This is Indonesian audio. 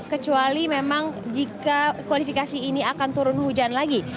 kecuali memang jika kualifikasi ini akan turun hujan lagi